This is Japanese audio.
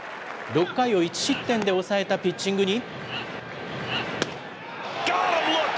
６回を１失点で抑えたピッチングに。